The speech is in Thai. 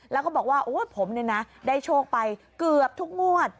แล้วก็บอกว่าโอ้ยผมเนี่ยนะได้โชคไปเกือบทุกงวด